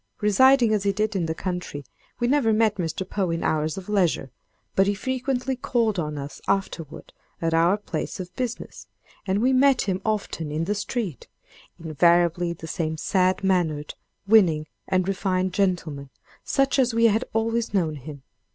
Residing as he did in the country, we never met Mr. Poe in hours of leisure; but he frequently called on us afterward at our place of business, and we met him often in the street—invariably the same sad mannered, winning and refined gentleman, such as we had always known him.